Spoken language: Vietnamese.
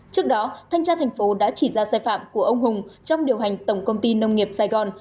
trước đó thanh tra thành phố đã chỉ ra sai phạm của ông hùng trong điều hành tổng công ty nông nghiệp sài gòn